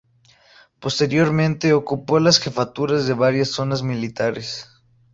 Posteriormente ocupó las Jefaturas de varias zonas militares.